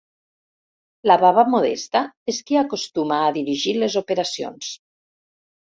La baba Modesta és qui acostuma a dirigir les operacions.